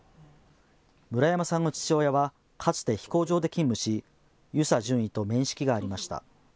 村山さんの父親はかつて飛行場で勤務し遊佐准尉と面識がありました。